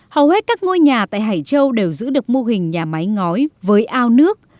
hầu hết các ngôi nhà tại hải châu đều giữ được mô hình nhà máy ngói với ao nước